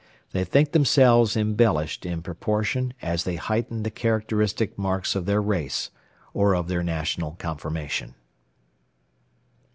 They think themselves embellished in proportion as they heighten the characteristic marks of their race, or of their national conformation.